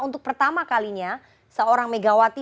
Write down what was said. untuk pertama kalinya seorang megawati